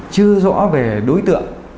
chưa rõ về đối tượng